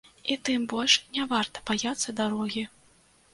І тым больш не варта баяцца дарогі.